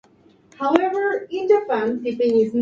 Es un pez de la familia Pomacentridae del orden Perciformes.